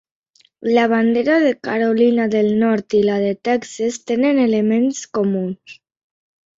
La bandera de Carolina del Nord i la de Texas tenen elements comuns.